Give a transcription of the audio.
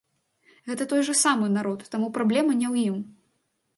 Гэта той жа самы народ, таму праблема не ў ім.